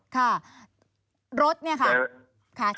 ค่ะรถเนี่ยค่ะ